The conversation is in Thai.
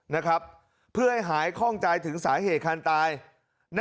นะครับเพื่อให้หายกล้องค่อนใจถึงสาเหโครนตายนัก